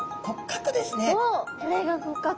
おおこれが骨格。